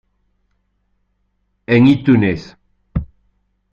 En iTunes